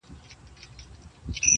خدايه هغه لونگ چي لا په ذهن کي دی~